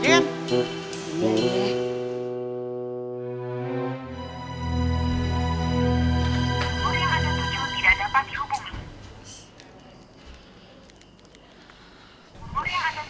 boleh langsung tujuh tidak dapat dihubungi